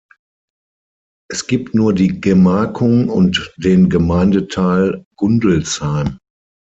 Es gibt nur die Gemarkung und den Gemeindeteil Gundelsheim.